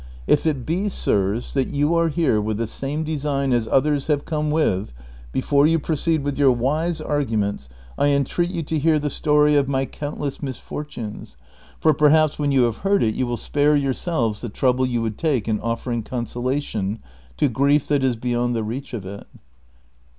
If it be, sirs, that you are here with the same design as others have come with, before you proceed with your wise arguments, I entreat you to hear the story of my countless misfortunes, for perhaps when you have heard it you will spare yourselves the trouble you would take in offering consolation to grief that is beyond the reach of it."